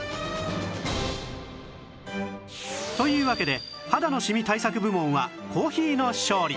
というわけで肌のシミ対策部門はコーヒーの勝利